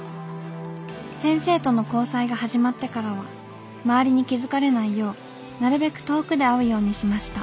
先生との交際がはじまってからは周りに気付かれないようなるべく遠くで会うようにしました。